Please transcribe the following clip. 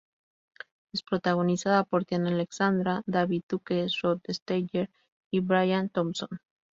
Es protagonizada por Tiana Alexandra, David Dukes, Rod Steiger y Brian Thompson.